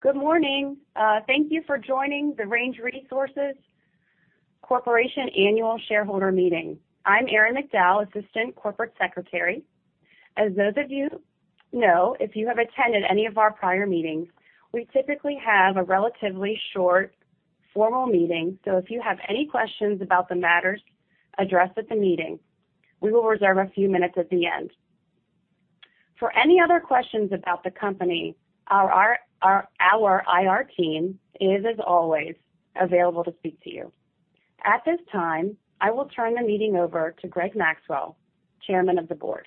Good morning. Thank you for joining the Range Resources Corporation Annual Shareholder Meeting. I'm Erin McDowell, Assistant Corporate Secretary. As those of you know, if you have attended any of our prior meetings, we typically have a relatively short, formal meeting. If you have any questions about the matters addressed at the meeting, we will reserve a few minutes at the end. For any other questions about the company, our IR team is, as always, available to speak to you. At this time, I will turn the meeting over to Greg Maxwell, Chairman of the Board.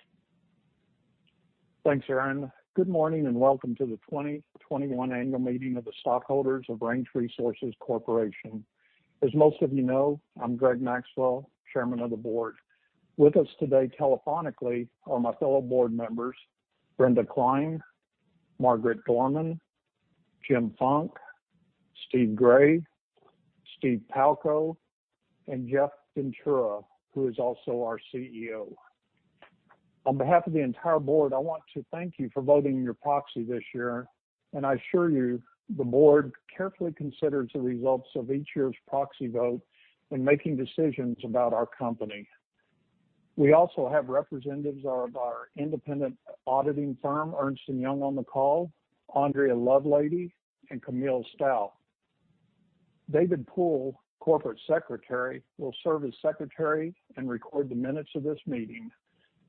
Thanks, Erin. Good morning and welcome to the 2021 Annual Meeting of the Stockholders of Range Resources Corporation. As most of you know, I'm Greg Maxwell, Chairman of the Board. With us today telephonically are my fellow board members, Brenda Cline, Margaret Dorman, Jim Funk, Steve Gray, Steve Palko, and Jeff Ventura, who is also our CEO. On behalf of the entire board, I want to thank you for voting your proxy this year, and I assure you the board carefully considers the results of each year's proxy vote when making decisions about our company. We also have representatives of our independent auditing firm, Ernst & Young, on the call, Andrea Lovelady and Camille Stout. David Poole, Corporate Secretary, will serve as Secretary and record the minutes of this meeting.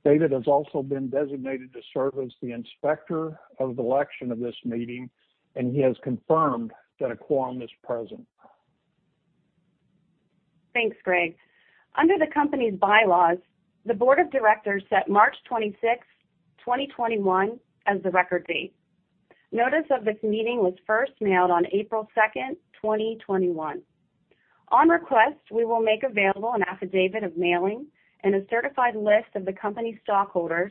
David has also been designated to serve as the Inspector of Election of this meeting, and he has confirmed that a quorum is present. Thanks, Greg. Under the company's bylaws, the Board of Directors set March 26th, 2021 as the record date. Notice of this meeting was first mailed on April 2nd, 2021. On request, we will make available an affidavit of mailing and a certified list of the company stockholders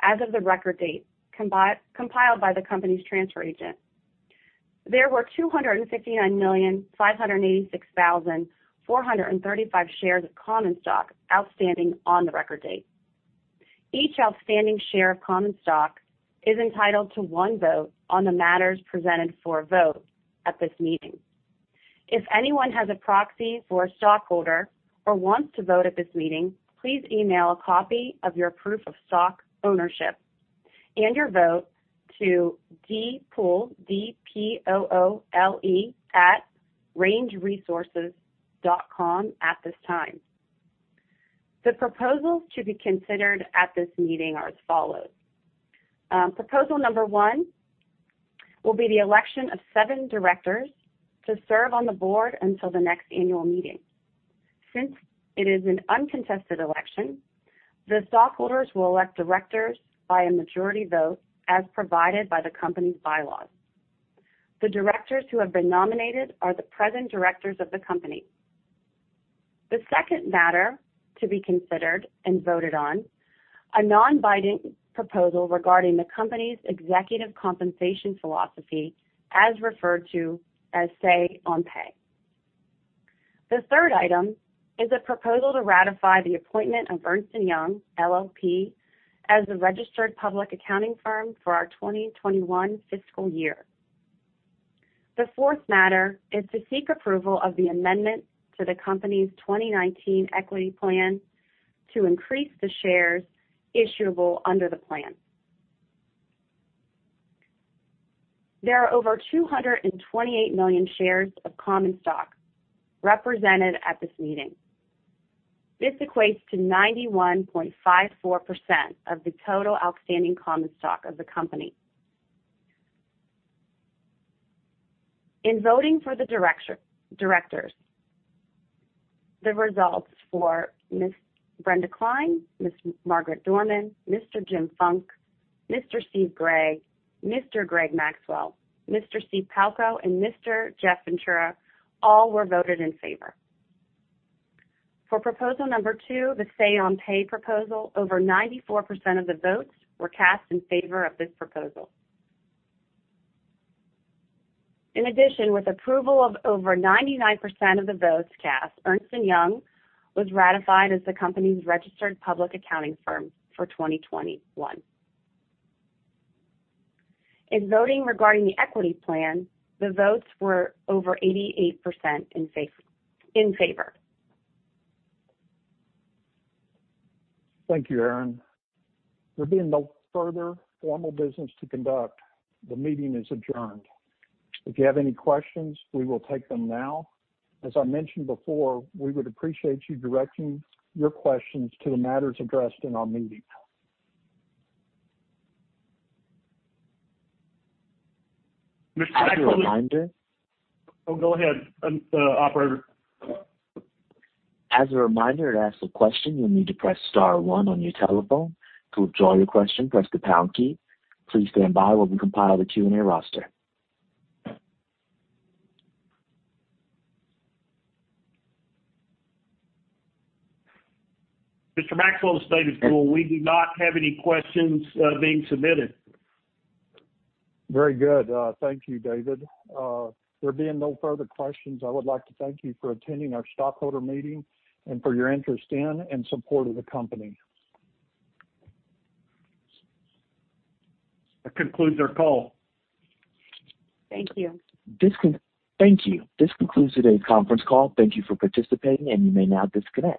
as of the record date, compiled by the company's transfer agent. There were 259,586,435 shares of common stock outstanding on the record date. Each outstanding share of common stock is entitled to one vote on the matters presented for a vote at this meeting. If anyone has a proxy for a stockholder or wants to vote at this meeting, please email a copy of your proof of stock ownership and your vote to D Poole, D-P-O-O-L-E, at rangeresources.com at this time. The proposals to be considered at this meeting are as follows. Proposal number one will be the election of seven directors to serve on the board until the next annual meeting. Since it is an uncontested election, the stockholders will elect directors by a majority vote as provided by the company's bylaws. The directors who have been nominated are the present directors of the company. The second matter to be considered and voted on, a non-binding proposal regarding the company's executive compensation philosophy as referred to as Say on Pay. The third item is a proposal to ratify the appointment of Ernst & Young LLP as the registered public accounting firm for our 2021 fiscal year. The fourth matter is to seek approval of the amendment to the company's 2019 Equity Plan to increase the shares issuable under the plan. There are over 228 million shares of common stock represented at this meeting. This equates to 91.54% of the total outstanding common stock of the company. In voting for the directors, the results for Ms. Brenda Cline, Ms. Margaret Dorman, Mr. Jim Funk, Mr. Steve Gray, Mr. Greg Maxwell, Mr. Steve Palko, and Mr. Jeff Ventura all were voted in favor. For proposal number two, the Say on Pay proposal, over 94% of the votes were cast in favor of this proposal. In addition, with approval of over 99% of the votes cast, Ernst & Young was ratified as the company's registered public accounting firm for 2021. In voting regarding the equity plan, the votes were over 88% in favor. Thank you, Erin. There being no further formal business to conduct, the meeting is adjourned. If you have any questions, we will take them now. As I mentioned before, we would appreciate you directing your questions to the matters addressed in our meeting. Mr. Maxwell- As a reminder. Oh, go ahead, operator. As a reminder, to ask a question, you'll need to press star one on your telephone. To withdraw your question, press the pound key. Please stand by while we compile the Q&A roster. Mr. Maxwell, the status is we do not have any questions being submitted. Very good. Thank you, David. There being no further questions, I would like to thank you for attending our stockholder meeting and for your interest in, and support of the company. That concludes our call. Thank you. Thank you. This concludes today's conference call. Thank you for participating, and you may now disconnect.